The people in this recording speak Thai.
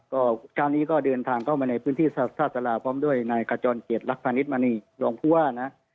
การนี้ก็เดินทางเข้ามาในพื้นที่ศาสตราพร้อมด้วยนายกระจ่อนเกียรติรักษณิษฐ์มณีย์รองภัวร์นะ